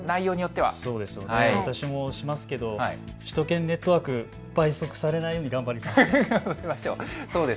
私もしますけど首都圏ネットワーク、倍速されないように頑張ります。